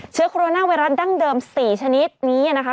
โคโรนาไวรัสดั้งเดิม๔ชนิดนี้นะคะ